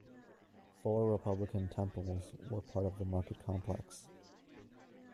Four Republican temples were part of the market complex.